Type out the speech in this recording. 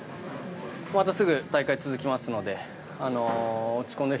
またすぐ大会は続きますので落ち込んでる